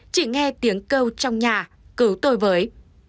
chỉ nghe tiếng câu trong nhà cứu tôi với